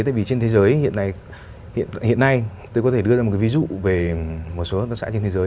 tại vì trên thế giới hiện nay hiện nay tôi có thể đưa ra một ví dụ về một số hợp tác xã trên thế giới